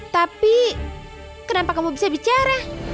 tapi kenapa kamu bisa bicara